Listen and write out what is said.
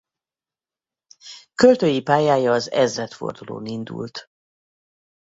Költői pályája az ezredfordulón indult.